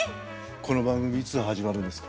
この番組いつ始まるんですか？